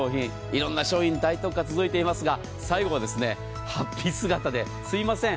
いろんな商品大特価、続いていますが最後は法被姿ですいません。